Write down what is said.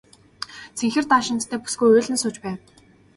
Цэнхэр даашинзтай бүсгүй уйлан сууж байв.